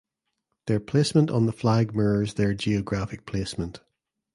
Their placement on the flag mirrors their geographic placement.